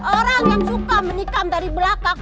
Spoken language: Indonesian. orang yang suka menikam dari belakang